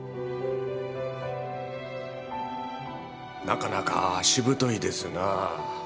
なかなかしぶといですなぁ。